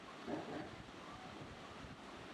圣约尔因出产矿泉水而闻名。